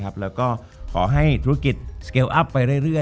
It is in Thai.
จบการโรงแรมจบการโรงแรม